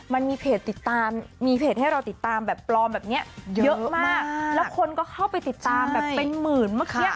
มันมีเพจติดตามมีเพจให้เราติดตามแบบปลอมแบบเนี้ยเยอะมากแล้วคนก็เข้าไปติดตามแบบเป็นหมื่นเมื่อกี้